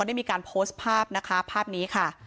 ได้มีการโพสต์ภาพนะคะภาพนี้ค่ะ